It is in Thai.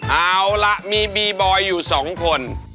เอาละมีบีบอยซ์อยู่สองคน